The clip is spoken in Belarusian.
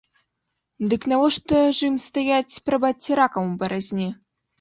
Дык навошта ж ім стаяць, прабачце, ракам у баразне?